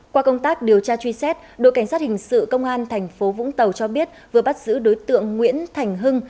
qua công tác điều tra truy xét đội cảnh sát hình sự công an tp vũng tàu cho biết vừa bắt giữ đối tượng nguyễn thành hưng